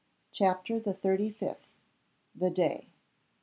CHAPTER THE THIRTY FIFTH. THE DAY.